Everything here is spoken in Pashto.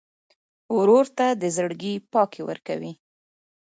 ورور ته د زړګي پاکي ورکوې.